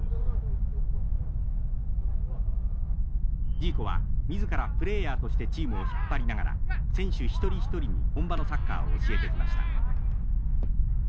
ジーコは自らプレーヤーとしてチームを引っ張りながら選手一人一人に本場のサッカーを教えてきました。